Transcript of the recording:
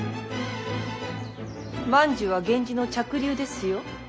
万寿は源氏の嫡流ですよ。